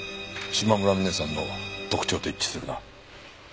島村ミネさんの特徴と一致するな。